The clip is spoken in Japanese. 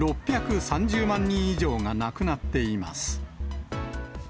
６３０万人以上が亡くなっています。